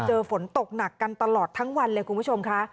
ฝนตกหนักกันตลอดทั้งวันเลยคุณผู้ชมค่ะ